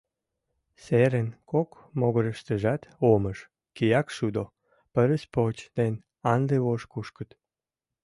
Серын кок могырыштыжат омыж, киякшудо, пырыспоч ден андывож кушкыт.